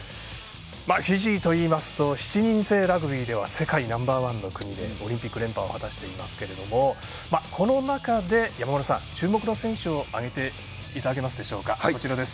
フィジーといいますと７人制ラグビーでは世界ナンバーワンの国でオリンピック連覇を果たしていますけれどもこの中で注目の選手を挙げていただけますでしょうか。